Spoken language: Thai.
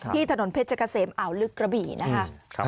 ที่ถนนเพชรกะเสมอ่าวลึกกระบี่นะฮะ